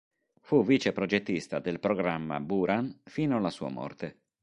Fu vice progettista del programma Buran fino alla sua morte.